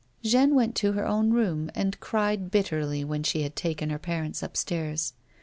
Jeanne went to her own room and cried bitterly when she had taken her parents upstairs.